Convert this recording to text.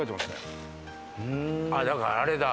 あっだからあれだ。